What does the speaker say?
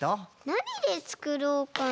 なにでつくろうかな？